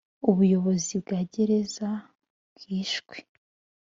ubuyobozi bwa gereza bwishwe